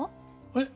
えっ？